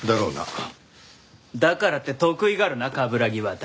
だからって得意がるな冠城亘。